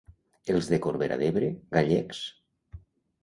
Els de Corbera d'Ebre, gallecs.